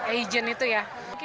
agen itu ya